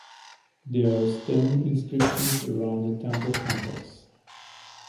There are stone inscriptions around the temple complex.